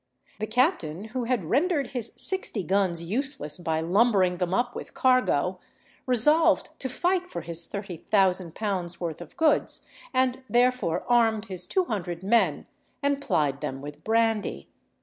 The captain, who had rendered his sixty guns useless by lumbering them up with cargo, resolved to fight for his £30,000 worth of goods, and therefore armed his two hundred men and plied them with brandy.